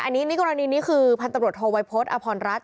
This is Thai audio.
อันนี้กรณีนี้คือพันธบริโรทโทวัยพฤติอพรรณรัฐ